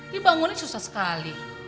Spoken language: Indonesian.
dibangun ini susah sekali